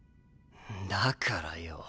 だからよぉ